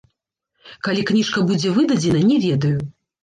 Калі кніжка будзе выдадзена, не ведаю.